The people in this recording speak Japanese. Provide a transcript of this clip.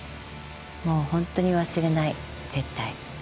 もうほんとに忘れない絶対。